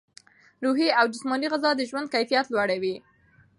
روحي او جسماني غذا د ژوند کیفیت لوړوي.